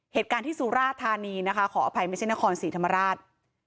เหตุการณ์ที่สุราธานีนะคะขออภัยไม่ใช่นครศรีธรรมราช